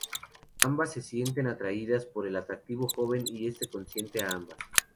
Ambas se sienten atraídas por el atractivo joven, y este consiente a ambas.